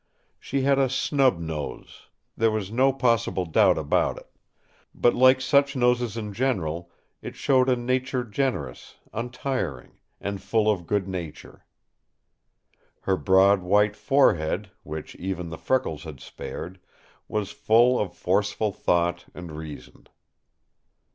She had a snub nose—there was no possible doubt about it; but like such noses in general it showed a nature generous, untiring, and full of good nature. Her broad white forehead, which even the freckles had spared, was full of forceful thought and reason.